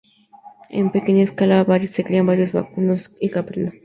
En pequeña escala se crían vacunos y caprinos.